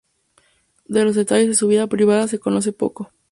De los detalles de su vida privada se conoce poco.